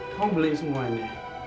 kamu beli semua ini